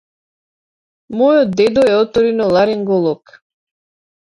Мојот дедо е оториноларинголог.